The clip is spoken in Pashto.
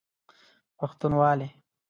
پښتونوالی